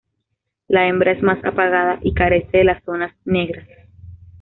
La hembra es más apagada y carece de las zonas negras.